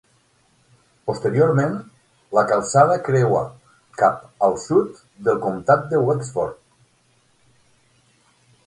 Posteriorment, la calçada creua cap al sud del comtat de Wexford.